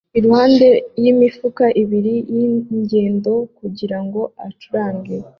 iruhande yimifuka ibiri yingendo kugirango acurange